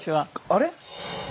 あれ？